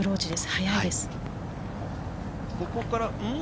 速いです。